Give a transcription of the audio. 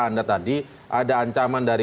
anda tadi ada ancaman dari